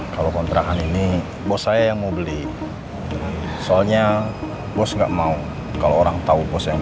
kalian harus tanggung jawab